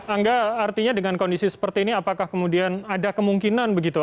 angga artinya dengan kondisi seperti ini apakah kemudian ada kemungkinan begitu